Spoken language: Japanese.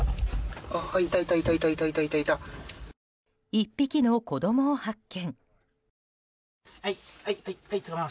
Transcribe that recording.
１匹の子供を発見。